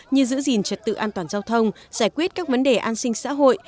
như giữ gìn trật tự an toàn giao thông giải quyết các vấn đề an sinh xã hội